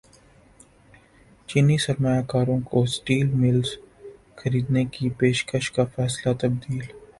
چینی سرمایہ کاروں کو اسٹیل ملز خریدنے کی پیشکش کا فیصلہ تبدیل